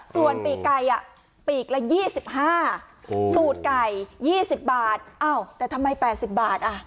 ส่วนปีกไก่ปีกละ๒๕ตูดไก่๒๐บาทอ้าวแต่ทำไม๘๐บาท